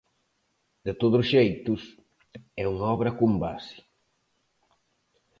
De todos xeitos, é unha obra con base.